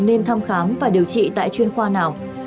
nên thăm khám và điều trị tại chuyên khoa nào